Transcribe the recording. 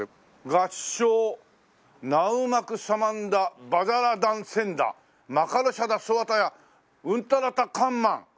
「合掌ナウマクサマンダバザラダンセンダマカロシャダソワタヤウンタラタカンマン」